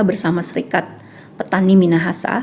bersama serikat petani minahasa